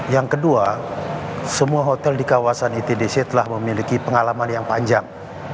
yang kedua semua hotel di kawasan itdc telah memiliki pengalaman yang panjang